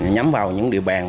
nhắm vào những địa bàn